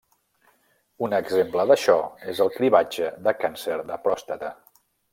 Un exemple d'això és el cribratge de càncer de pròstata.